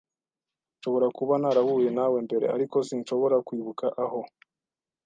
Nshobora kuba narahuye nawe mbere, ariko sinshobora kwibuka aho.